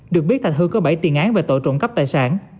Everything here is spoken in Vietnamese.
được biết thành hương có bảy tiền án về tội trộm cắp tài sản